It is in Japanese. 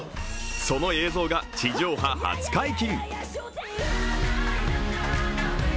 その映像が地上波初解禁。